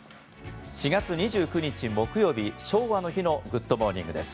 ４月２９日木曜日昭和の日の『グッド！モーニング』です。